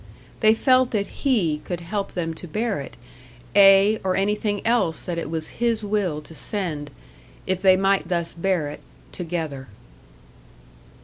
They felt that He could help them to bear it; ay, or anything else that it was His will to send if they might thus bear it, together.